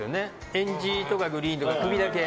えんじとか、グリーンとか首だけ。